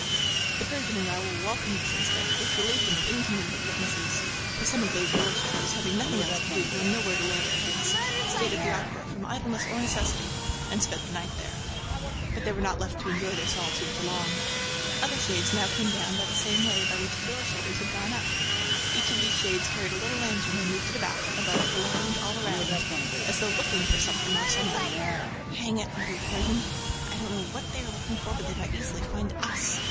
The Persian and Raoul welcomed this incident, which relieved them of inconvenient witnesses, for some of those door shutters, having nothing else to do or nowhere to lay their heads, stayed at the Opera, from idleness or necessity, and spent the night there. But they were not left to enjoy their solitude for long. Other shades now came down by the same way by which the door shutters had gone up. Each of these shades carried a little lantern and moved it about, above, below and all around, as though looking for something or somebody. "Hang it!" muttered the Persian. "I don't know what they are looking for, but they might easily find us